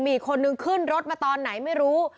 มีอีกคนนึงขึ้นรถมาตอนไหนไม่รู้